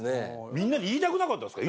みんなに言いたくなかったですか？